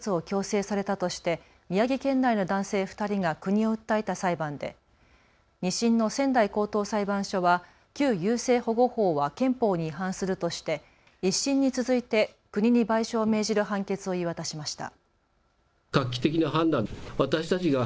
旧優生保護法のもとで不妊手術を強制されたとして宮城県内の男性２人が国を訴えた裁判で２審の仙台高等裁判所は旧優生保護法は憲法に違反するとして１審に続いて国に賠償を命じる判決を言い渡しました。